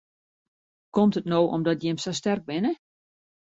Komt it no omdat jim sa sterk binne?